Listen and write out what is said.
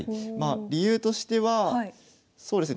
理由としてはそうですね